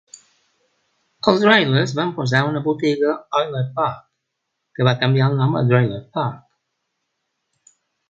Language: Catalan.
Els Drillers van posar una botiga Oiler Park, que va canviar el nom a Driller Park.